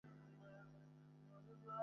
মেয়েটাকে বাঁচানো উচিত।